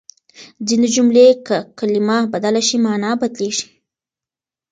ځينې جملې که کلمه بدله شي، مانا بدلېږي.